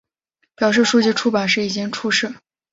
表示书籍出版时已经去世。